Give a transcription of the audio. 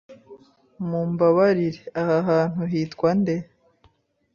Mumbabarire, aha hantu hitwa nde?